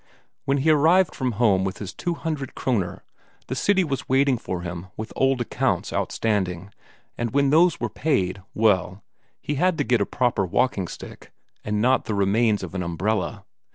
When he arrived from home with his two hundred Kroner, the city was waiting for him with old accounts outstanding, and when those were paid, well, he had to get a proper walking stick, and not the remains of an umbrella.